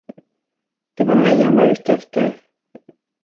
Det var mig han var ute efter.